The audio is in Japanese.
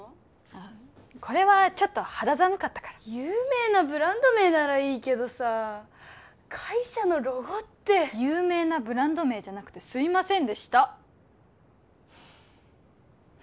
あこれはちょっと肌寒かったから有名なブランド名ならいいけどさ会社のロゴって有名なブランド名じゃなくてすいませんでした